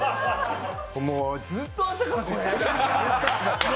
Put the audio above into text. もう、ずっと朝からこれ！